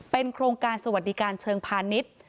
โครงการสวัสดิการเชิงพาณิชย์